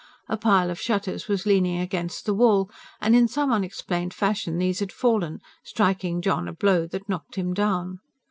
A pile of shutters was leaning against the wall, and in some unexplained fashion these had fallen, striking John a blow that knocked him down.